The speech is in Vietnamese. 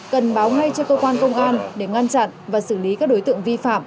cần báo ngay cho cơ quan công an để ngăn chặn và xử lý các đối tượng vi phạm